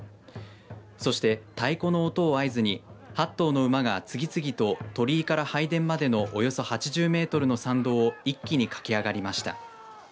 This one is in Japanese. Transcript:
そして太鼓の音を合図に８頭の馬が次々と鳥居から拝殿までのおよそ８０メートルの参道を一気に駆け上がりました。